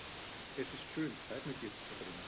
Es ist schön, Zeit mit dir zu verbringen.